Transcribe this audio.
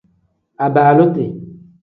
Abaaluti.